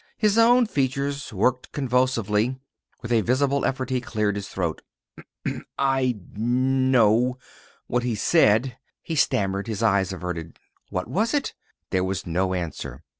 His own features worked convulsively. With a visible effort he cleared his throat. "I know what he said," he stammered, his eyes averted. "What was it?" There was no answer.